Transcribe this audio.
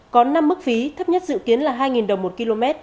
có năm mức phí thấp nhất dự kiến là hai đồng một km